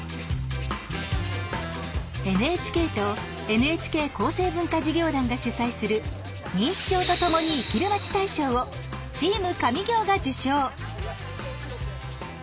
ＮＨＫとＮＨＫ厚生文化事業団が主催する「認知症とともに生きるまち大賞」を「チーム上京！」が受賞。